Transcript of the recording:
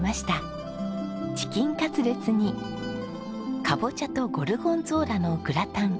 チキンカツレツにカボチャとゴルゴンゾーラのグラタン。